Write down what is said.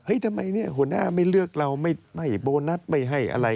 ทำไมเนี่ยหัวหน้าไม่เลือกเราไม่โบนัสไม่ให้อะไร